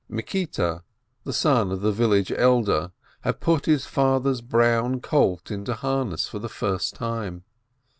Mikita, the son of the village elder, had put his father's brown colt into harness for the first time.